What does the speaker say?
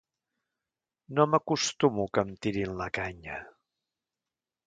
No m'acostumo que em tirin la canya.